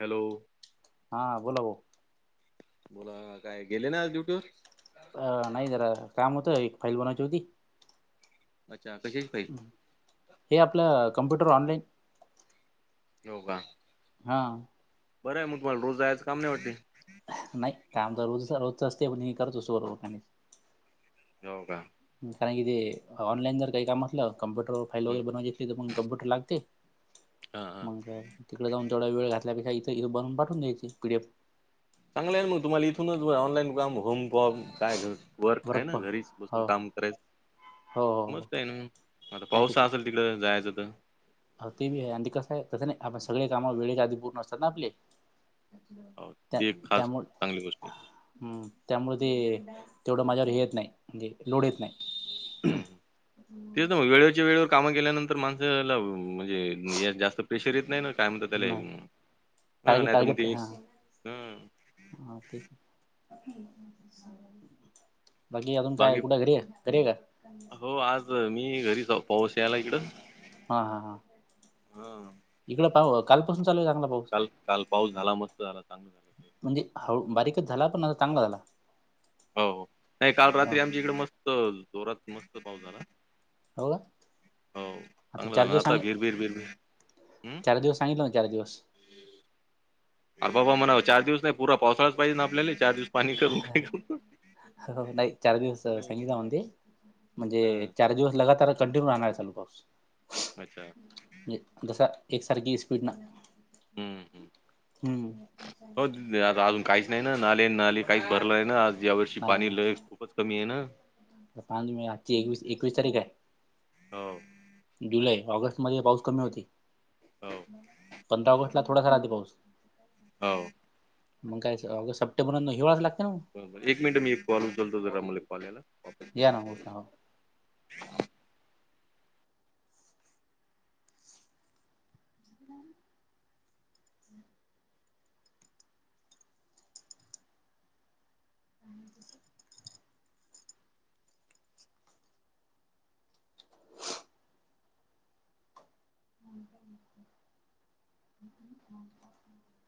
Hello. हा बोला बो बोला. काय गेले ना आज ड्युटीवरर. अ नाही जरा काम होतं एक फाईल बनवची होती. अच्छा कशी हे आपलं कम्प्युटर ऑनलाईन. हो का हा बरं मग तुम्हाला रोज जायचं काम नाही वाटते. नाही. काम तर रोज रोज असतयं पण हे करत असतो [unintelligible] हो का. कारण की ते ऑनलाईन जर काही काम असलं कम्प्युटरवर फाईल हम्म. वगैरे बनवायची असली तर मगं कम्प्युटर लागते. हा हा मग तिकडे जाऊन तेवढा वेळ घातल्यापेक्षा इथंथ बनून पाठवून द्यायच पीडीएफ. चांगलं हाय मग तुम्हाला इथूनच ऑनलाईन काम होम पॉब काय घ वर्क हे ना घरीच बसून हो काम करायच. हो हो मस्त हे ना मग आता पाउस असल. तिकडं जायचं आत अ ते बी आणि कसं हाय कसं नाही आपण सगळे काम वेळेच्या आधी पूर्ण असतात ना आपली. हो, त्या ती एक खास त्यामुळे चांगली गोष्ट आहे हम्म. त्यामुळे ते तेवढं माझ्यावर हेे येत नाही, म्हणजे लोढ येत नाही. हम्म. तेच ना मग वेळेच्या वेळेवर कामं केल्यानंतर माणसाला म्हणजे य जास्त प्रेशर येत नाही ना. काय म्हणते त्याले नाही हं टार्गेट नाही तर मग टार्गेट ते हा हं. हा तेच बाकी अजून काय कुठं घरी हे घरी हाय का? हो आज मी घरी हावु. पाऊस यालाय इकडं. हा, हा, हा. हा इकड पा कालपासून चालू झाला ना भाऊ. काल -काल पाऊस झाला. मस्त झाला काल. म्हणजे हळु बारीकच झाला पण [unintelligible] चांगला झाला. हो, हो. नाही काल ह रात्री आमच्या इकड मस्त जोरात मस्त पाऊस झाला. हो का हो. चांगलं चार झालं आणि दिवस आता सांग भिर भीर भिर भीर हम्म. [unintelligible] चार दिवस. अ बाबा म्हणाव चार दिवस नाही पुरा पावसाळाच पाहिजे ना आपल्याला चार दिवस पाणी करून काय करू. हो नाही चार दिवस नाही सांगित जाऊनते म्हणजे हं चार दिवस लगातार चं. कंटिन्यू राहणार हाय चालू पाऊस. अच्छा. म्हणजे जस एकसारखी स्पीडन. हम्म हम्म हम्म हो. आता अजून काहीच नाही ना नाले नाली काहीच भरल नाही ना आज या व - - र्षी पाणी लईच खूपच कमी हेना. तर आज मी आजची एकवीस एकवीस तारीख हाय. हो. जुलै ऑगस्टमध्ये पाऊस कमी होती. हो. पंधरा ऑगस्टला थोडाफार आधी पाऊस. हो. मग काय ऑगस्ट, सप्टेंबरला हिवाळा लागतयं ना ओ. बरं बरं एक मिनिट मी एक कॉल उचलतो जरा मला कॉल याला वापस कर [unintelligible] [unintelligible] ह [inaudible] ह [inaudible]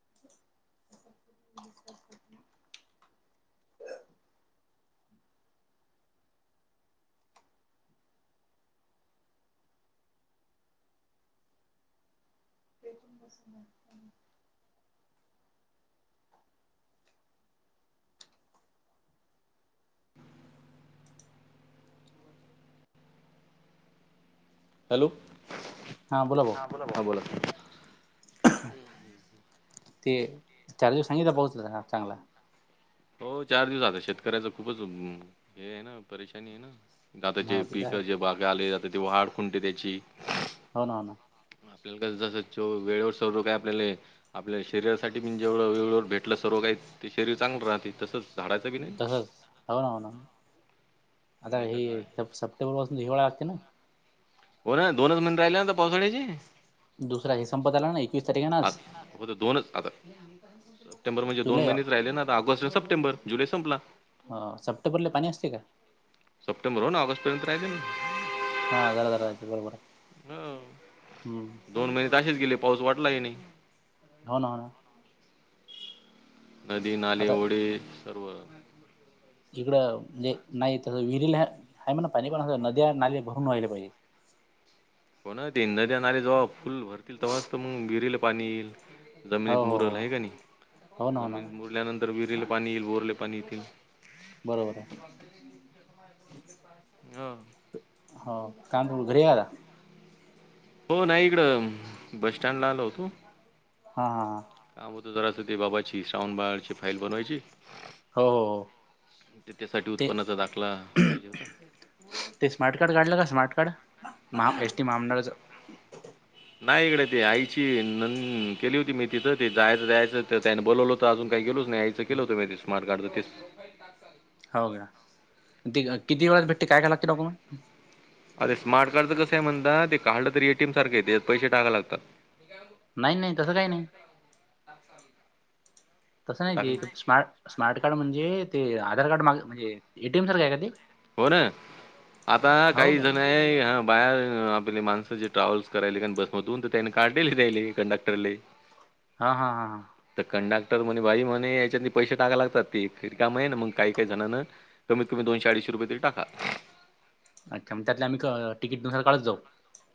[inaudible] [unintelligible] बसून [unintelligible] हॅलो. हां. बोला भाऊ. ते चार दिवस सांगितला पाऊस झाला चांगला. हो चार दिवस झालं, शेतकऱ्याच खूपच हे आहे ना, परेशानी आहे ना. आता जे हा तिथं आहे पिकं जे बागा आले आता ते वाढ खुंटते त्याची. हो ना. हो ना. आपल्याला कस जसं वेळेवर सर्व काय आपल्याला आपल्या शरीरासाठी पण जेवढं वेळेवर भेटलं सर्व काही, ते शरीर चांगलं राहते तसंच झाडाचं बी नाही. तसच हो ना हो ना आता नाही तर हे काय. सब सब [unintelligible] हो ना दोनच मंथ राहिले ना आता पावसाळ्याचे. दुसरा हे संपत आला ना एकवीस तारीख आहे ना आ आज फक्त दोनच आता सप्टेंबर म्हणजे दोन जुलै महिनेच राहिले ना आता ऑगष्ट आणि सप्टेंबर जुलै संपला हां सप्टेंबरला पाणी असते का? सप्टेंबर हो ना ऑगस्ट पर्यंत राहिले. हा जरा जरा जरा राहायची बरोबर हाय. हम्म दोन महिने तर असेच गेले पाऊस वाटला ही नाही. हो ना, हो ना नदी नाले आता ओढे सर्व. इकडं म्हणजे नाही तसं विहिरीला आहे म्हणा पाणी पण, अस नद्या, नाले भरून व्हायले पाहिजे हो ना ते नद्या नाले जेव्हा फुल भरतील तव्हाच तर मग विहिरीला पाणी येईल जमिनीत हो हो मुरल हो आहे का नाही? हो ना हो ना जमिनीत मुरल्यानंतर तर विहिरीला पाणी येईल, बोरले पाणी येतील बरोबर हाय हो. हो काम सोडून घरी आला? हो नाही इकडं बस स्टँडला आलो होतो हा हा ह का होतं जरास ते बाबाची श्रावण बाळाची फाईल बनवायची हो हो हो त्याच्यासाठी ते उत्पन्नाचा दाखला पाहिजे होता. ते स्मार्ट कार्ड काढलं का? स्मार्ट कार्ड महा, एस टी महामंडळाच? नाही इकडे ती आईची ननंद गेली होती मी तिथं ते जायचं जायचं त्याने बोलवलं होत अजून काही गेलोच नाही आ चेक केलं होतं मी ते स्मार्ट कार्डंच तिस्स हो का? ती किती वेळात भेटते? काय काय लागते डॉक्युमेंट? अरे स्मार्ट कार्डचं कसं हाय म्हणता ते काढलं तरी एटीएम सारखं त्यात पैशे टाकावे लागतात नाही नाही तसं काही नाही. आ, समजा तसं नाही ते स्मार्ट स्मार्ट कार्ड म्हणजे ते आधार कार्ड माग म्हणजे एटीएम सारखं आहे का ते? हो ना आता हो काही का जण आहे ह बाहेर आपले माणसं जे ट्रॅव्हल्स करायले कारण बसमधून तर त्यानी काढलेली दयाले कंडक्टरले हा हा हा हां तर कंडक्टर म्हणे बाई म्हणे याच्या पैसे टाकाय लागतात तेी रिकाम हाय ना मग काही काही जणांन कमीत कमी दोशे अडीचशे रुपये तरी टाका आणी कमत्यात आम्ही तिकीटनुसार काडत जाऊ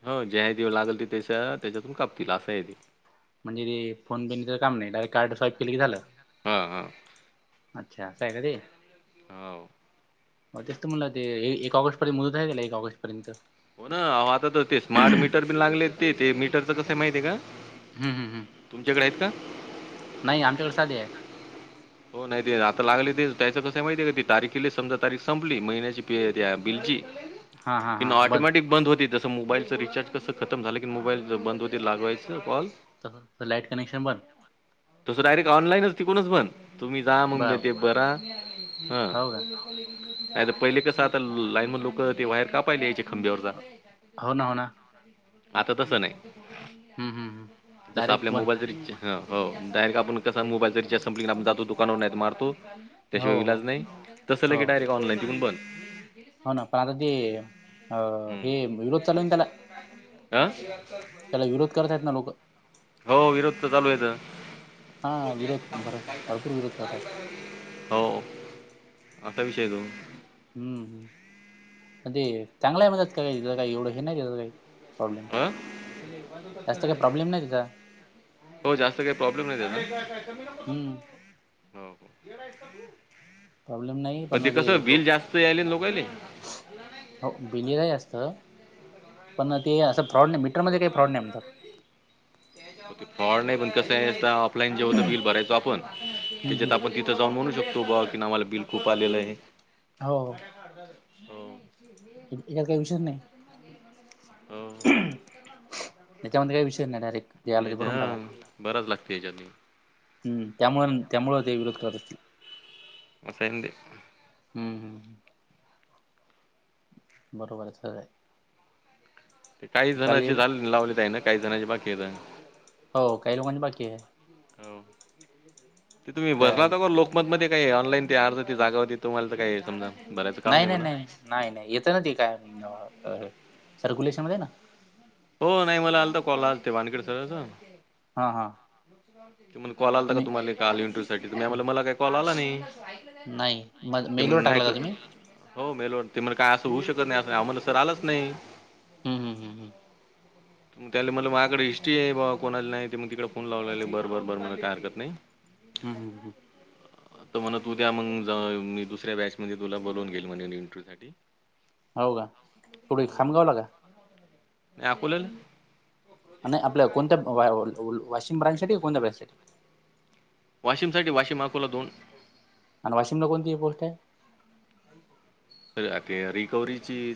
हो ज्या दिव लागल त ते त्याच्यातून कापतील असा आहे ते म्हणजे ते फोन बिनच काम नाही डारेट कार्ड स्वाईप केलं की झालं हा हा अच्छा असाय का ते हावं तेचं म्हटला ते एक ऑगस्टपर्यंत मुदत हाय काय एक ऑगस्टपर्यंत हो ना आता तर ते स्मार्ट मीटर बि लागले ते, ते मीटरच कस माहिती आहे का? हम्म हम्म हम्, तुमच्याकडे आहेत का नाही आमच्याकडे साध हाय. हो नाही ते आता लागले ते त्याच कसय माहितीय का ती तारीखे समजा तारीख संपली महिन्याची प त्या बिलची हां हां कि हां ऑटोमॅटिक बंद होती तस तसं मोबाईलचं रिचार्ज कसं खतम झालं की मोबाईल बंद होते लागवायचं कॉल. तर लाईट कनेक्शन बंद तस डायरेक्ट ऑनलाईनच तिकूनच बंद तुम्ही जा मंग मी बर ते बरा हा हो का नायत पहिले कसं आता लाईन मधे लोक ते वायर कापायला यायाचे खांब्यावरचा हो ना हो ना आता तसं नाही हम्म हम्म हम्म. जस डायरेक्ट आपल्या वन मोबाईलचा रिचार्ज ह हो डारेक्ट आपण कसा मोबाईलचा रिचार्ज संपली आपण जातो दुकावर नाय त मारतो. हो त्याशिवाय हो विलाज नाही तस हो लगेच डायरेक्ट ऑनलाईन तिकून बंद हो ना पण आता ते अ हे विरोध चालू हाय ना त्याला आं त्याला विरोध करत्यात ना लोक हो विरोध त चालू आहेेत. हा विरोध भर भरपूर विरोध करत आहे हो असा विषय तो हम्म हं पण ते चांगल्यामध्येचं काय त्याज काही हे नाय त्याज काही प्रॉब्लेम आ जास्त काही प्रॉब्लेम नाही त्याचा हो जास्त काय प्रॉब्लेम नाय त्याला हम्म हो प्रॉब्लेम नाही पण ते कस लो बिल जास्त यायले लोकायले. हो बिल याय जास्त पण ते असं फॉड नाय मीटरमध्ये काय फॉड नाय म्हणतात. पण ते फॉड नाय पण कसय ऑफलाईन जे होत बिल भरायचो आपण हम्म त्याच्यात हम्म आपण ती तीत जाऊन म्हणू शकतो बा की आम्हाला बिल खूप आलेलं आहे. हाव हो हो. हय ह्यात काय विषयच नाय. हो. त्याच्यामध्ये काय विषय नाय डायरेक्ट जे आलं ते याच्या भरून टाका हा भरावाच लागत याच्यानी हम्म त्यामु त्यामुळ ते विरोध करत असतील. असं हाय नं ते हूं हूं बरोबर आहेत सगळे ते काही जणची गेलं झाले लावले काहीं ना काही जणची बाकी हायेत. हो काही लोकांचे बाकी ये. हो ते तुम्ही आपल्या भरला तर लोक मत मध्ये काही ऑनलाई ती अर्जाची जागा होती तुम्हाला त काय समजा भरायचं काम नाय नाही नाय म्हणा. नाय नाय नाय येत न ती काय सर्क्युलेशन मध्ये ये ना हो नाही मला आलता कॉल आलते वानखेड सराच हा हा ते म्हणे कॉल आलाता का तुम्हाला काल इंटरवू साठी त म्या म्हणलं हम्म. मला काय कॉल आला नाही. नाही मग ते मेलवर म्हणलं नाय टाकला का कर तुम्ही हो मेलो ते मला काय असं होऊ शकत नाही अस आहो म्हणलं सर आलाच नाही. हूं हूं हूं हूं म त्याल म्हणलं मायाकड हिस्ट्री ये बुआ कोणाला नाही ते मग तिकड फोनं लागलेल बर बरं बरं काय हरकत नाही. [unintelligible] हूं हूं हूं [unintelligible] तर म्हणत उद्या मंग जा मी दुसऱ्या बॅच मध्ये तुला बोलवून घेल म्हणे इंटरव्यू साठी हाव कां कुठे खामगावला का? नाय अकोल्याला नाय आपल्या कोणत्या वा व व वाशिम ब्रांचसाठी क कोणत्या ब्रांचसाठी वाशिमसाठी वाशिम अकोला दोन आणि वाशिमला कोणती पोस्ट ये? [unintelligible] रिकवर्हीची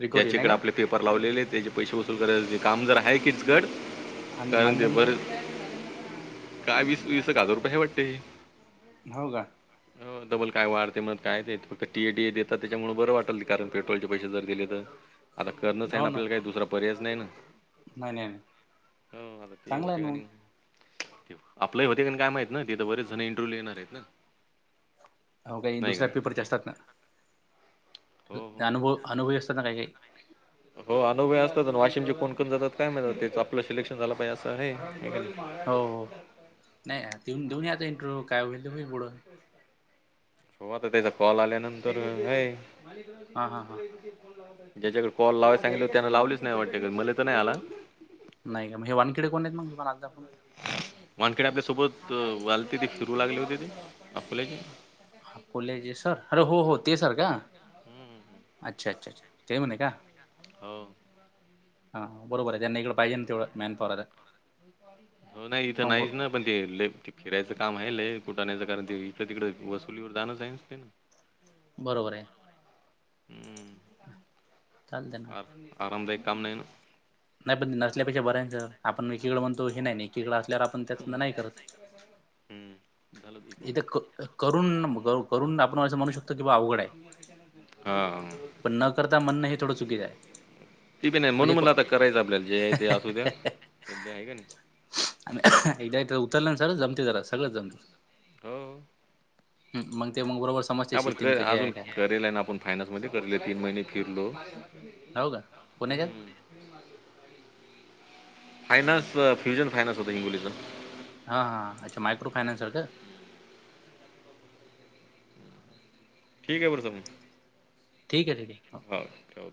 रिकवरी नाही ज्याच्याकड का आपले पेपर लावलेले त्याचे पैसे वसूल करायच ते काम जरा हाय कीचकट आणि कारण ते मानधन द्याले बर काय वीस वीस एक हजार रुपय हाय वाटते. हौ गा? हौ डबल काय वारते [unintelligible] काय तेेत फक्त टी ए टी ए देतात त्याच्यामुळ बरं वाटल कारण पेट्रोलचे पैसे जर दिले तर आता करणच आहे ना आपल्याला काही दुसरा पर्यायच नाही ना नाही नाही नाही हो आता ते चांगला होते आहे ना का मग नाही ठेव आपलंही होते कनी काय माहित ना तिथ बरेच जण इंटरव्ह्यू येणार आयत ना हौ काही नाही का दुसऱ्या पेपरचे असतात ना हो हो ज्ञानुभव अनुभवी असतात‌ ना काही काही हो अनुभय असतात अन वाशिमचे कोण कोण जातात काय म्हैत आता तेच आपलं सिलेक्शन झाला पाहिजे असं हाय. हो हो नाही दिऊन देऊन याचा इंटरव्ह्यू काय व्हइल होईल पुढं बघू आता त्याचा कॉल आल्यानंतर हय, [unintelligible] फोन हां हां हां लाव [unintelligible] ज्याच्याकडे कॉल लावाय सांग [unintelligible] त्यान लावलीच नाही वाटते कारण मले तर नाही आला. नाही का म्ह हे वानखिडे कोण नाहीत मंग तुम्हाला [unintelligible] दाखवून वानखेडे आपल्या सोबत वालते ते फिरू लागले होते ते आपल्या [unintelligible] हकोल्याचे सर, अरे हो हो ते सर का? हम्म. अच्छा अच्छ अच्छा! ते म्हणे का हौ. हा हा बरोबर आय त्यांना इकड पाहिजे ना तेव्हा मॅन [unintelligible] हो ना इथं नाहीच ना पण ते लई ते फिरायचं काम आहे, लय कुठाण्याचं कारण ते इकड तिकड वसुलीवर जाणंच हाय तेंना बरोबर आय हम्म चालते ना आ आरामदायक काम नाही ना नाही पण नसल्यापेक्षा बरं हाय न त आपण एकीकड म्हणतो, हे नाही ना एकीकड असल्यावर आपण त्याच न हम्म नाही करत हम्म. झालं ते एक इथ क मिनिट करून न मग अ करून आपणं अस म्हणू शक [unintelligible] हा [unintelligible] पण न करता म्हणणं हे थोडं चुकीचं आहे ती पी नाही म्हणून म्हणजे मला आता करायचं आपल्याला जे हाय ते असू द्या को सध्या हाय का नई. आणि एकदा हित उतरल्या [unintelligible] जमते जरा सगळंच जमते. हो. हु मंग ते मग बरोबरच आपण ख अजून करेल आय ना, आपूण फायनान्स मध्ये करले तीन महिने फिरलो. हौ का? कुणी [unintelligible] हं. फायनान्स फ्युजन फायनान्स होत हिंगोलीच हा हा अच्छा! मायक्रो फायनान्स सारख ठीक ये बरसामन ठीक ये ठीक ये हा हा ठेव